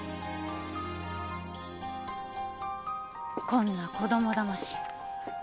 こんな子供だまし